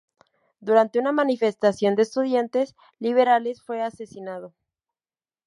Durante una manifestación de estudiantes liberales fue asesinado.